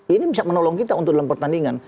ini bisa menolong kita untuk dalam pertandingan